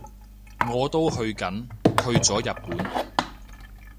我都去緊，去咗日本